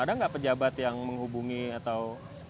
ada nggak pejabat yang menghubungi atau